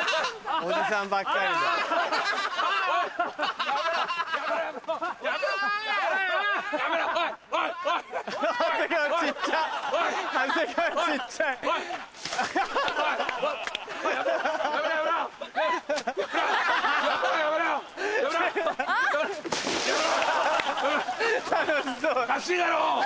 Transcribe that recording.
おかしいだろ！